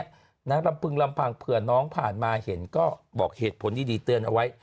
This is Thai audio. นางลำพึงลำพังเผื่อน้องผ่านมาเห็นก็บอกเหตุผลดีเตือนเอาไว้